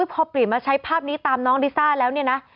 พอเปลี่ยนมาใช้ภาพนี้ตามน้องลิซ่าแล้วเนี่ยนะ